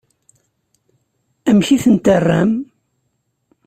Amek i ten-terram?